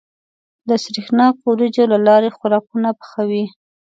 د سرېښناکو وريجو له لارې خوراکونه پخوي.